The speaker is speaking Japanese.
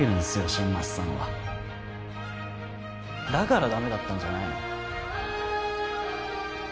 新町さんはだからダメだったんじゃないの？